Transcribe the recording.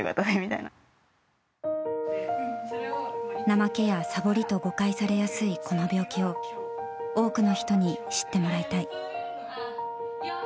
怠けやサボりと誤解されやすいこの病気を多くの人に知ってもらいたい。